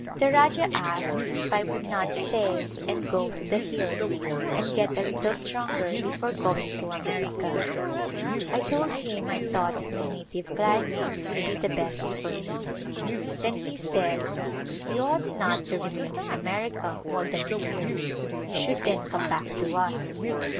The Rajah asked if I would not stay and go to the hills and get a little stronger before going to America. I told him I thought my native climate would be the best for me. Then he said, " You ought not to re main in America more than a year. You should then come back to us."